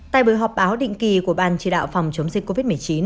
tại buổi họp báo định kỳ của ban chỉ đạo phòng chống dịch covid một mươi chín